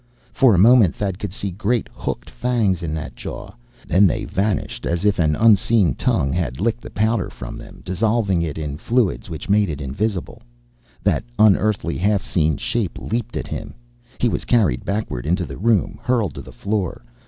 For a moment Thad could see great, hooked fangs in that jaw. Then they vanished, as if an unseen tongue had licked the powder from them, dissolving it in fluids which made it invisible. That unearthly, half seen shape leaped at him. He was carried backward into the room, hurled to the floor.